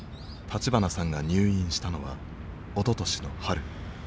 立花さんが入院したのはおととしの春。